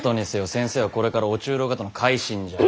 先生はこれから御中臈方の回診じゃ。